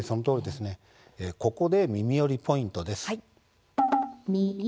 ここで「みみより！ポイント」です。